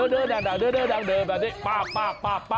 เดอนางเดอป้า